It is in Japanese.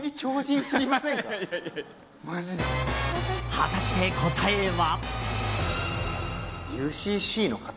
果たして、答えは。